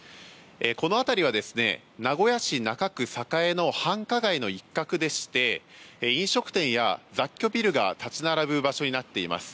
この辺りは名古屋市中区栄の繁華街の一角でして飲食店や雑居ビルが立ち並ぶ場所になっています。